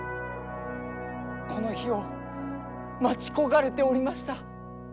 この日を待ち焦がれておりました。